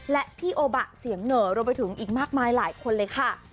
และพี่โอบะเสียงเหนอรวมไปถึงอีกมากมายหลายคนเลยค่ะ